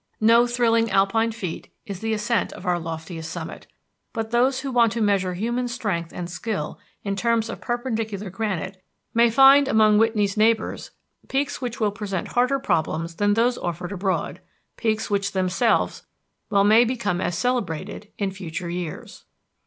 No thrilling Alpine feat is the ascent of our loftiest summit. But those who want to measure human strength and skill in terms of perpendicular granite may find among Whitney's neighbors peaks which will present harder problems than those offered abroad, peaks which themselves well may become as celebrated in future years.